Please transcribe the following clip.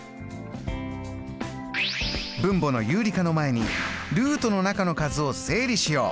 分母の有理化の前にルートの中の数を整理しよう。